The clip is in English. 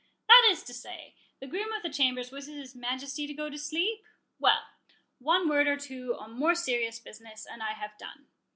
"That is to say, the groom of the chambers wishes his Majesty would go to sleep?—Well, one word or two on more serious business, and I have done.